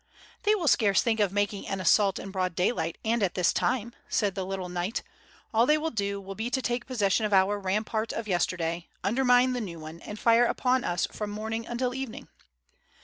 '' "They will scarce think of making an assault in broad day light and at this time," said the little knight, "all they will do will be to take possession of our rampart of yesterday, under mine the new one, and fire upon us from morning until evening."